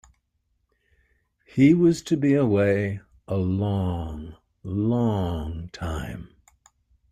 He was to be away a long, long time.